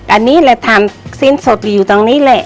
อันนี้เลยทำสิ้นสุดอยู่ตรงนี้แหละ